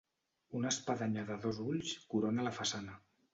Una espadanya de dos ulls corona la façana.